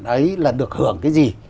đấy là được hưởng cái gì